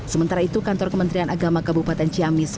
sementara itu kantor kementerian agama kabupaten ciamis